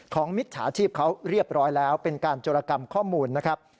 มิจฉาชีพเขาเรียบร้อยแล้วเป็นการโจรกรรมข้อมูลนะครับ